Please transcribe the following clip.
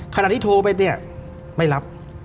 ขณะที่โทรไปเนี่ยไม่รับ